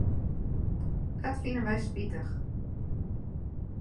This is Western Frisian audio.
Dat fine wy spitich.